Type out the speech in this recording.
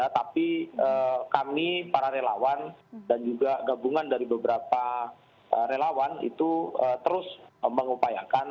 tapi kami para relawan dan juga gabungan dari beberapa relawan itu terus mengupayakan